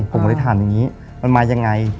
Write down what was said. ผมก็เลยถามอย่างนี้มันมายังไง